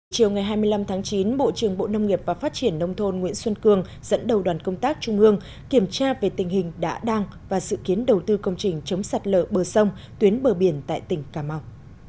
chiều ngày hai mươi năm tháng chín bộ trưởng bộ nông nghiệp và phát triển nông thôn nguyễn xuân cường dẫn đầu đoàn công tác trung ương kiểm tra về tình hình đã đang và sự kiến đầu tư công trình chống sạt lở bờ sông tuyến bờ biển tại tỉnh cà mau